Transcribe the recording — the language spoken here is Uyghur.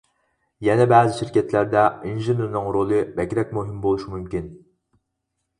يەنە بەزى شىركەتلەردە ئىنژېنېرنىڭ رولى بەكرەك مۇھىم بولۇشى مۇمكىن.